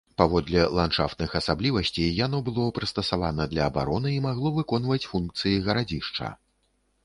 Паводле ландшафтных асаблівасцей яно было прыстасавана для абароны і магло выконваць функцыі гарадзішча.